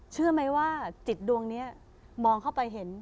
เชื่อไหมว่าจิตดวงนี้มองเข้าไปเห็น